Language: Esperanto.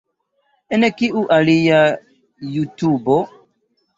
En kiu alia jutubo?